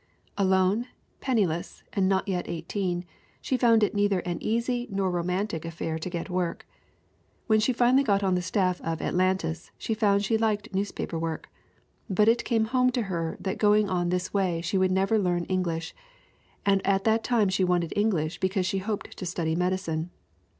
Alone, penniless, and not yet eighteen, she found it neither an easy nor romantic affair to get work. When finally she got on the staff of Atlantis she found she liked newspaper work. But it came home to her that going on this way she would never learn English, and at that time she wanted English because she hoped to study medicine.